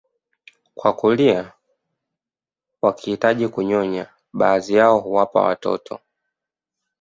kwa kulia wakihitaji kunyonya baadhi yao huwapa watoto